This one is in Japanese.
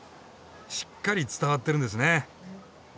しっかり伝わってるんですね。